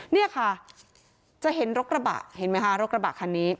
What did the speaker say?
นี่ค่ะจะเห็นรถกระบะเห็นไหมคะรถกระบะคันนี้